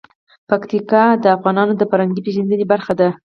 پکتیکا د افغانانو د فرهنګي پیژندنې برخه ده.